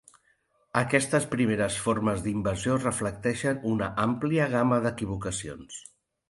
Aquestes primeres formes d'invasió reflecteixen una àmplia gama d'equivocacions.